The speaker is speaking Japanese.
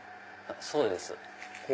そうです。